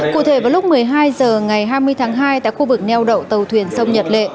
cụ thể vào lúc một mươi hai h ngày hai mươi tháng hai tại khu vực neo đậu tàu thuyền sông nhật lệ